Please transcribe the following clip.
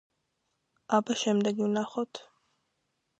აბა შემდეგი ვნახოთ.